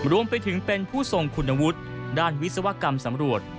รวมไปถึงเป็นผู้ทรงคุณวุฒิด้านวิศวกรรมสำรวจ